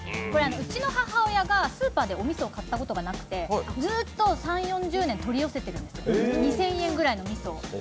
これはうちの母親でスーパーでお味噌を買ったことがなくてずっと３０４０年取り寄せてるんです、２０００円くらいのみそを。